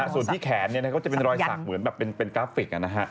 ส่วนที่แขนจะเป็นรอยสักเหมือนกราฟิก